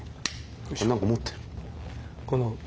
あ何か持ってる。